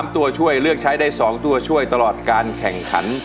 ตัวช่วยเลือกใช้ได้๒ตัวช่วยตลอดการแข่งขัน